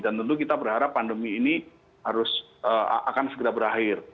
dan tentu kita berharap pandemi ini harus akan segera berakhir